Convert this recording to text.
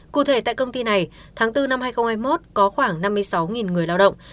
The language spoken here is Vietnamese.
cụ thể tại công ty này tháng bốn năm hai nghìn hai mươi một có khoảng năm mươi sáu người lao động